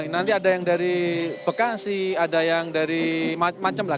nanti ada yang dari bekasi ada yang dari macam lah